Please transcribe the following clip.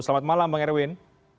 selamat malam bang erwin